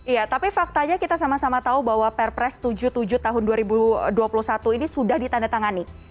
iya tapi faktanya kita sama sama tahu bahwa perpres tujuh puluh tujuh tahun dua ribu dua puluh satu ini sudah ditandatangani